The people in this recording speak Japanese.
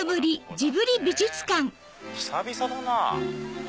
久々だなぁ。